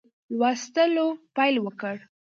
لوستلو پیل وکړ.